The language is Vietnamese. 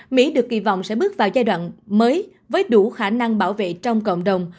mỹ được kỳ vọng sẽ bước vào giai đoạn mới với đủ khả năng bảo vệ trong cộng đồng